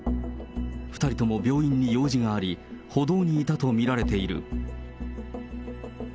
２人とも病院に用事があり、歩道にいたと見られている。